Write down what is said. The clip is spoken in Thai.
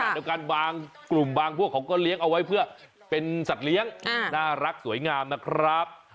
เดี๋ยวกันบางกลุ่มบางพวกเขาก็เลี้ยงเอาไว้เพื่อเป็นสัตว์เลี้ยงน่ารักสวยงามนะครับ